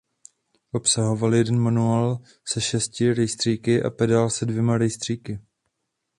Obsahovaly jeden manuál se šesti rejstříky a pedál se dvěma rejstříky.